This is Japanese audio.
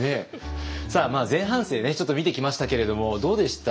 前半生ねちょっと見てきましたけれどもどうでした？